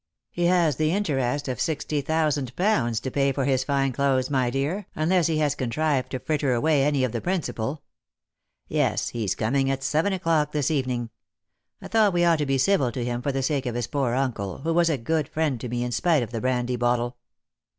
" He has the interest of sixty thousand pounds to pay for his fine clothes, my dear, unless he has contrived to fritter away any of the principal. Tes, he's coming at seven o'clock this evening. I thought we ought to be civil to him for the sake of his poor old uncle, who was a good friend to me in spite of the brandy bottle."